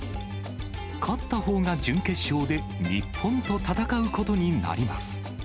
勝ったほうが準決勝で、日本と戦うことになります。